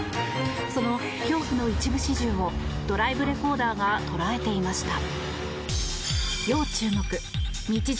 その恐怖の一部始終をドライブレコーダーが捉えていました。